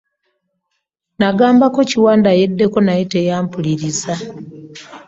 Magambako Kiwanda yeddeko naye teyampuliriza.